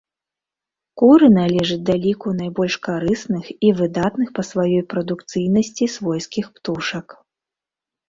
Куры належаць да ліку найбольш карысных і выдатных па сваёй прадукцыйнасці свойскіх птушак.